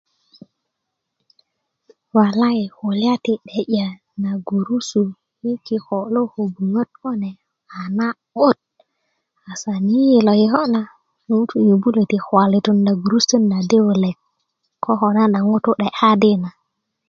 walai kulya ti 'de'ya na gurusu i kiko' lo ko'buŋöt kune a na'but asan i ilo kiko na ŋutú nyobulö ti kwalitunda gurusutöt na di wulek ko ko nana ŋutu' 'de kadi na